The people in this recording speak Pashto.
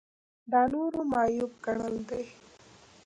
دا نورو معیوب ګڼل دي.